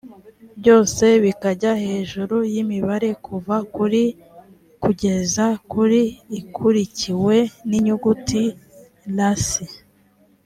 byose bikajya hejuru y mibare kuva kuri kugeza kuri ikurikiwe n inyuguti rasi